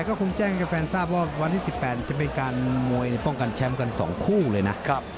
ก็คงแจ้งให้แฟนทราบว่าวันที่๑๘จะเป็นการมวยป้องกันแชมป์กัน๒คู่เลยนะ